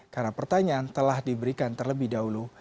karena pertanyaan telah diberikan terlebih dahulu